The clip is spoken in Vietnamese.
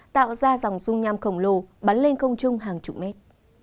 tạo ra dòng rung nham khổng lồ bắn lên công trung hàng chục mét